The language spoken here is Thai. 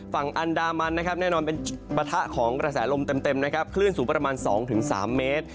ฝั่งอันดามันแน่นอนเป็นประถะของกระแสลมเต็มคลื่นสูงประมาณ๒๓เมตร